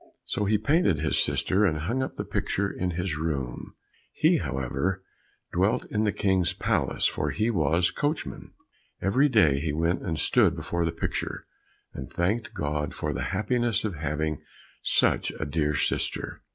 So he painted his sister and hung up the picture in his room; he, however, dwelt in the King's palace, for he was his coachman. Every day he went and stood before the picture, and thanked God for the happiness of having such a dear sister.